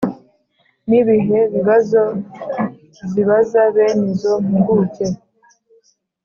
Nibihe bibazo zibaza bene izo mpuguke